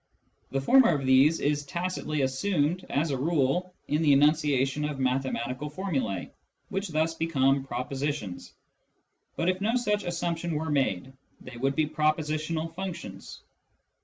The former of these is tacitly assumed, as a rule, in the enunciation of mathematical formula;, which thus become propositions ; but if no such assumption were made, they would be " proposi tional functions."